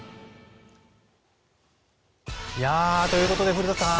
古田さん